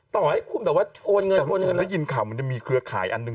ต่อให้คุณแบบว่าโอนเงินโอนเงินได้ยินข่าวมันจะมีเครือข่ายอันหนึ่ง